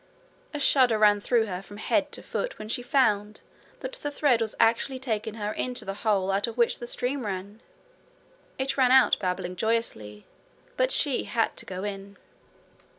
A shudder ran through her from head to foot when she found that the thread was actually taking her into the hole out of which the stream ran. It ran out babbling joyously, but she had to go in.